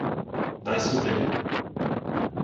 — Дай сюди.